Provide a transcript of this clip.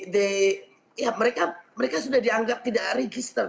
the ya mereka sudah dianggap tidak register